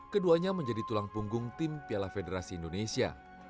keduanya menjadi tulang punggung tim piala federasi indonesia